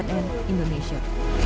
penyelamatan cnn indonesia